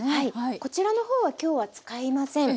こちらの方は今日は使いません。